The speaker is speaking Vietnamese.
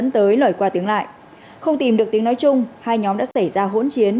tới lời qua tiếng lại không tìm được tiếng nói chung hai nhóm đã xảy ra hỗn chiến